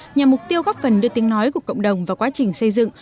nhằm mục tiêu góp phần đưa tiếng nói của cộng đồng vào quá trình xây dựng